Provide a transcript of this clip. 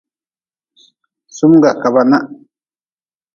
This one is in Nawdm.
Sumga ka ba nah.